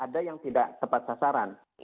ada yang tidak tepat sasaran